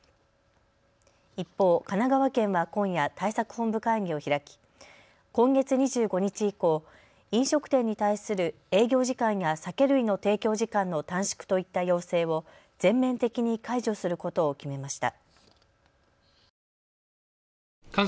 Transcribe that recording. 一方、神奈川県は今夜、対策本部会議を開き今月２５日以降、飲食店に対する営業時間や酒類の提供時間の短縮といった要請を全面的に解除することを決めました。